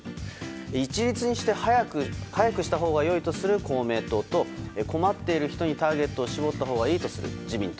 一律にして早くしたほうが良いとする公明党と困っている人にターゲットを絞ったほうがいいとする自民党。